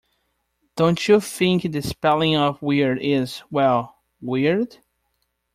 Don't you think the spelling of weird is, well, weird?